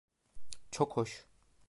Çok hoş.